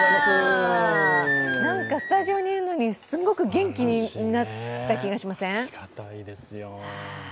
なんかスタジオにいるのにすごく元気になった気がしません？